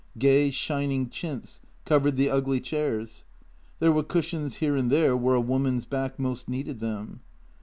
Gay, shining chintz covered the ugly chairs. There were cushions here and there where a woman's back most needed them.